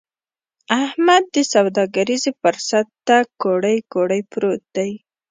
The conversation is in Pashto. احمد دې سوداګريز فرصت ته کوړۍ کوړۍ پروت دی.